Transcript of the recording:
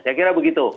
saya kira begitu